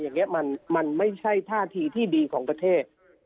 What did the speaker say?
อย่างนี้มันไม่ใช่ท่าทีที่ดีของประเทศ